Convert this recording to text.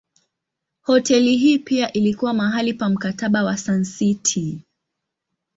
Hoteli hii pia ilikuwa mahali pa Mkataba wa Sun City.